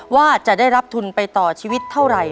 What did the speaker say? ว่าจะได้รับทุนไปต่อชีวิตเท่าไหร่